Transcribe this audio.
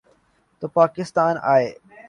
تو پاکستان آئیں۔